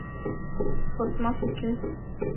— Шортмаш уке...